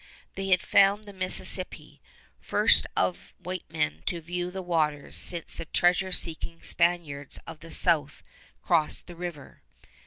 They had found the Mississippi, first of white men to view the waters since the treasure seeking Spaniards of the south crossed the river.